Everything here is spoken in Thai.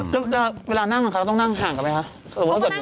แต่เวลานั่งเหมือนกันต้องนั่งห่างกันไหมครับ